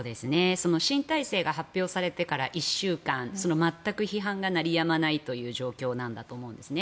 新体制が発表されてから１週間全く批判が鳴りやまないという状況なんだと思うんですね。